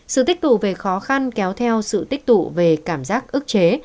sự tích tụ về khó khăn kéo theo sự tích tụ về cảm giác ức chế